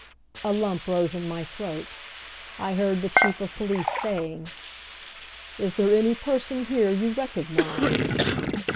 A lump rose in my throat. I heard the Chief of Police saying, "Is there any person here you recognize?"